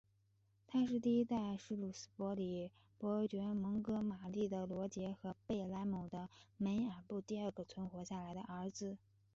他是第一代什鲁斯伯里伯爵蒙哥马利的罗杰和贝莱姆的梅布尔第二个存活下来的儿子。